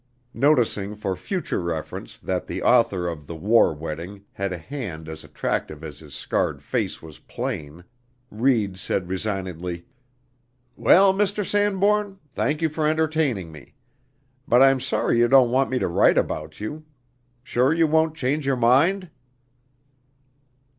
Noticing for future reference, that the author of "The War Wedding" had a hand as attractive as his scarred face was plain, Reid said resignedly, "Well, Mr. Sanbourne, thank you for entertaining me. But I'm sorry you don't want me to write about you. Sure you won't change your mind?"